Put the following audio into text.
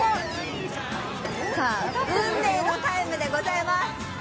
さあ、運命のタイムでございます。